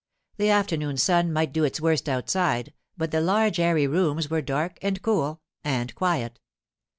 The afternoon sun might do its worst outside, but the large airy rooms were dark and cool—and quiet.